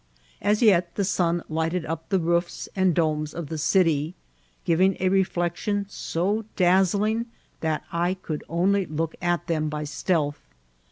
As yet the sun lighted up the roofs and domes of the city, giving a reflection so das sling that I could only look at them by stealth.